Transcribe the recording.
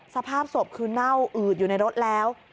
สภาพศพคือเน่าอืดอยู่ในรถแล้ว